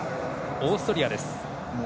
オーストリアです。